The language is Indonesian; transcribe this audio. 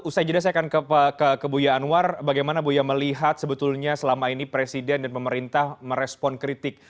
usai jeda saya akan ke buya anwar bagaimana buya melihat sebetulnya selama ini presiden dan pemerintah merespon kritik